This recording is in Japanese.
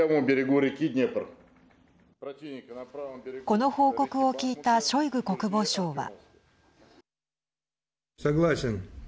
この報告を聞いたショイグ国防相は。